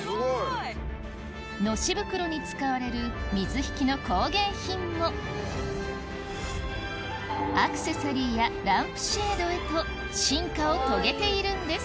のし袋に使われる水引の工芸品もアクセサリーやランプシェードへと進化を遂げているんです